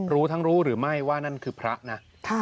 รู้และไม่ว่านั่นคือพระนะ